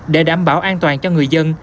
để đảm bảo an toàn cho người dân